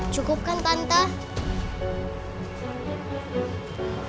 cukup kan tante